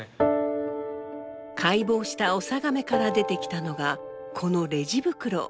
解剖したオサガメから出てきたのがこのレジ袋。